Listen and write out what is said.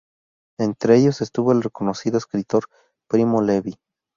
Entre ellos estuvo el reconocido escritor Primo Levi.